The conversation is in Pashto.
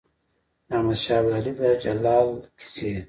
د احمد شاه ابدالي د جلال کیسې.